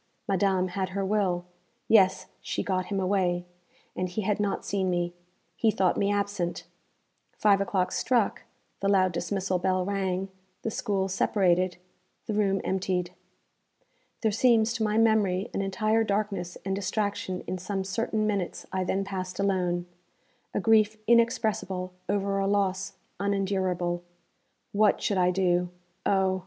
Madame had her will. Yes, she got him away, and he had not seen me. He thought me absent. Five o'clock struck, the loud dismissal bell rang, the school separated, the room emptied. There seems, to my memory, an entire darkness and distraction in some certain minutes I then passed alone a grief inexpressible over a loss unendurable. What should I do oh!